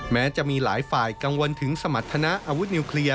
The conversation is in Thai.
แม้จะมีหลายฝ่ายกังวลถึงสมรรถนะอาวุธนิวเคลียร์